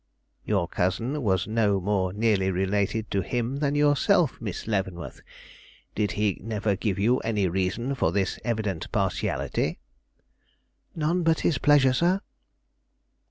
"Your cousin was no more nearly related to him than yourself, Miss Leavenworth; did he never give you any reason for this evident partiality?" "None but his pleasure, sir."